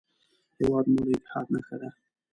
هېواد مو د اتحاد نښه ده